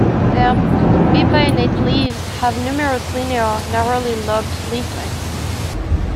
Their bipinnate leaves have numerous linear, narrowly lobed leaflets.